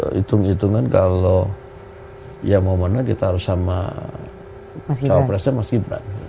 hitung hitungan kalau ya mau mana kita harus sama cawapresnya mas gibran